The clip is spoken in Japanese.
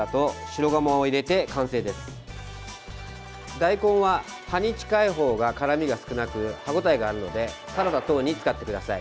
大根は葉に近い方が辛みが少なく歯ごたえがあるのでサラダ等に使ってください。